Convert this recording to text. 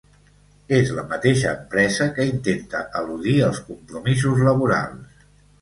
És la mateixa empresa que intenta eludir els compromisos laborals.